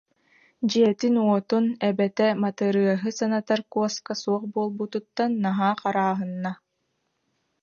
Дьиэтин-уотун, эбэтэ Матырыаһы санатар куоска суох буолбутуттан наһаа харааһынна